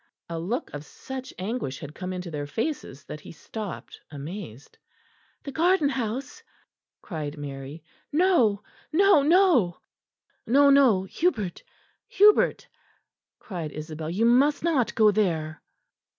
A look of such anguish had come into their faces that he stopped amazed. "The garden house!" cried Mary; "no, no, no!" "No, no, Hubert, Hubert!" cried Isabel, "you must not go there."